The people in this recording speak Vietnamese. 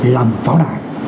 là một pháo đài